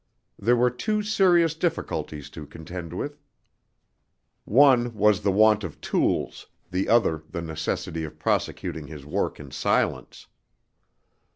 There were two serious difficulties to contend with; one was the want of tools, the other the necessity of prosecuting his work in silence.